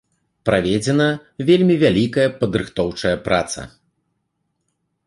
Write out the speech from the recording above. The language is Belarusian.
Праведзена вельмі вялікая падрыхтоўчая праца.